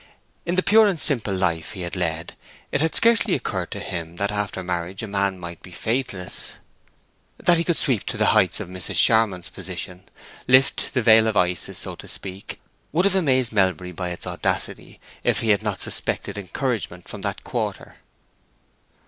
In the pure and simple life he had led it had scarcely occurred to him that after marriage a man might be faithless. That he could sweep to the heights of Mrs. Charmond's position, lift the veil of Isis, so to speak, would have amazed Melbury by its audacity if he had not suspected encouragement from that quarter.